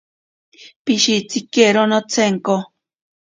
Pishitsikero nochenko.